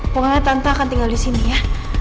pokoknya tante akan tinggal disini ya